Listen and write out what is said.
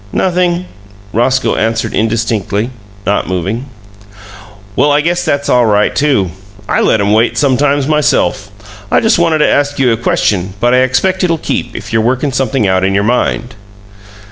"Nothing," Roscoe answered indistinctly, not moving. "Well, I guess that's all right, too. I let 'em wait sometimes myself! I just wanted to ask you a question, but I expect it'll keep, if you're workin' something out in your mind!"